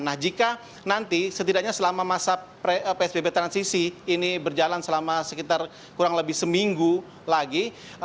nah jika nanti setidaknya selama masa psbb transisi ini berjalan selama sekitar kurang lebih seminggu lagi